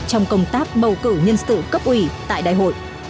trong công tác bầu cử nhân sự cấp ủy tại đại hội